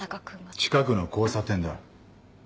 近くの交差点だ。